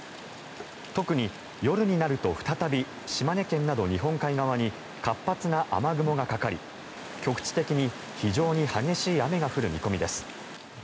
特に夜になると再び島根県など日本海側に活発な雨雲がかかり局地的に非常に激しい雨が降る見込みです。